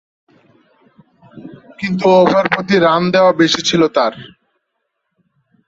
কিন্তু ওভার প্রতি রান দেয়া বেশি ছিল তার।